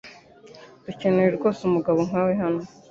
Dukeneye rwose umugabo nkawe hano.